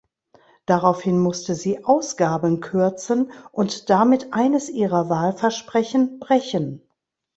Daraufhin musste sie Ausgaben kürzen und damit eines ihrer Wahlversprechen brechen.